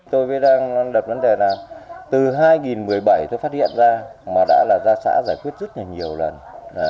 đợt vấn đề là từ hai nghìn một mươi bảy tôi phát hiện ra mà đã là gia xã giải quyết rất là nhiều lần